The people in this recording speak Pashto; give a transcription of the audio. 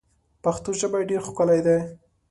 پښتو ژبه ډیر ښکلی ده.